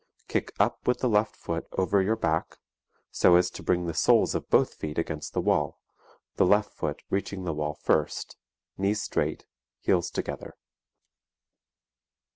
Kick up with the left foot over your back so as to bring the soles of both feet against the wall, the left foot reaching the wall first; knees straight, heels together.